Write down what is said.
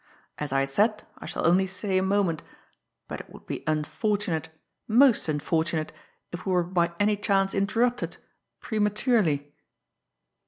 "As I said, I shall only stay a moment; but it would be unfortunate, most unfortunate, if we were by any chance interrupted prematurely!"